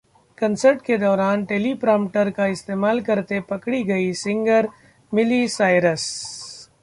concert के दौरान teleprompter का इस्तेमाल करते पकड़ी गईं सिंगर मिली साइरस